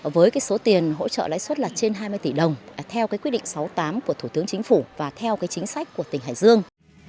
với số tiền hỗ trợ lãi suất là trên hai mươi tỷ đồng theo quyết định sáu mươi tám của thủ tướng chính phủ và theo chính sách của tỉnh hải dương